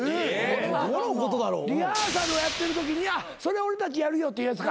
どのことだろう？リハーサルをやってるときにそれ俺たちやるよっていうやつか。